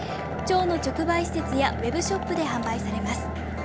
町の直売施設やウェブショップで販売されます。